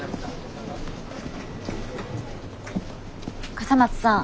笠松さん